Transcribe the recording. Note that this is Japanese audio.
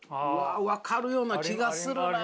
分かるような気がするな。